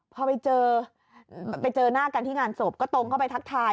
พอไปเจอไปเจอหน้ากันที่งานศพก็ตรงเข้าไปทักทาย